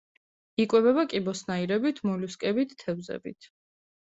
იკვებება კიბოსნაირებით, მოლუსკებით, თევზებით.